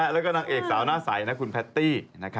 แล้วก็นางเอกสาวหน้าใสคุณแพตตี้